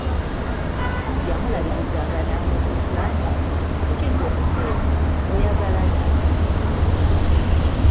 Yamulabiriza nga n'amubuuza nti, kiki ggwe muzeeyi, oyagala ki?